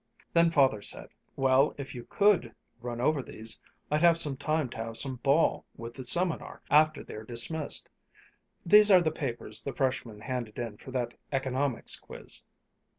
Then Father said, "Well, if you could run over these, I'd have time to have some ball with the seminar after they're dismissed. These are the papers the Freshmen handed in for that Economics quiz."